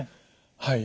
はい。